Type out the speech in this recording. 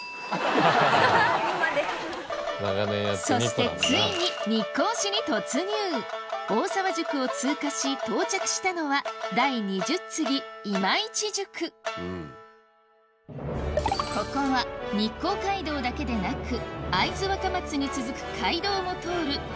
そしてついに日光市に突入大沢宿を通過し到着したのはここは日光街道だけでなく会津若松に続く街道も通る